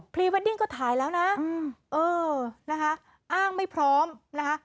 รีเวดดิ้งก็ถ่ายแล้วนะเออนะคะอ้างไม่พร้อมนะคะ